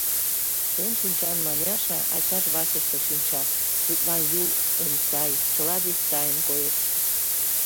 Шем шинчан Маняша ачаж вачыште шинча; тудлан Юл эн сай, чыла деч сайын коеш.